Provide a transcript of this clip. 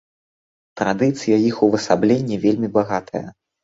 Традыцыя іх увасаблення вельмі багатая.